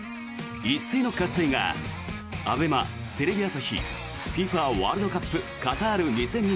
「一斉ノ喝采」がＡＢＥＭＡ・テレビ朝日ＦＩＦＡワールドカップカタール２０２２